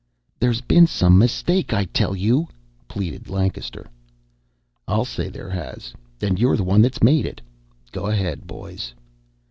"There's been some mistake, I tell you," pleaded Lancaster. "I'll say there has. And you're the one that's made it. Go ahead, boys."